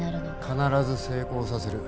必ず成功させる。